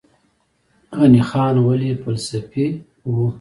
غني خان ولې فلسفي و؟